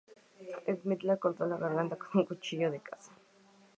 Smith le cortó la garganta con un cuchillo de caza.